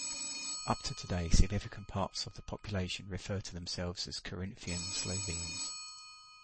Up to today, significant parts of the population refer to themselves as Carinthian Slovenes.